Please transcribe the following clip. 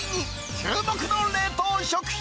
注目の冷凍食品。